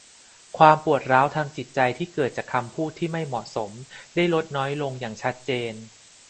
ความปวดร้าวทางจิตใจที่เกิดจากคำพูดที่ไม่เหมาะสมได้ลดน้อยลงอย่างชัดเจน